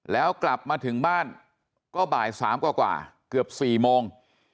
แล้วกลับมาถึงบ้านก็บ่าย๓กว่าเกือบ๔โมง